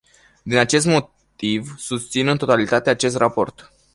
Din acest motiv, susțin în totalitate acest raport.